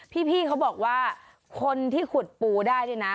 พี่เขาบอกว่าคนที่ขุดปูได้เนี่ยนะ